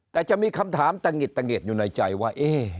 แต่จะมีคำถามตะหิดตะเงียดอยู่ในใจว่า